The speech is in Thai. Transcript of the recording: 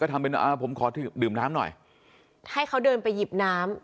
ทำเป็นอ่าผมขอดื่มน้ำหน่อยให้เขาเดินไปหยิบน้ำ